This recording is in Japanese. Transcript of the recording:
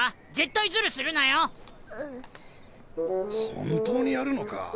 本当にやるのか？